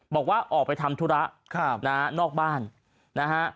บอกว่าออกไปทำธุระครับนะฮะนอกบ้านนะฮะ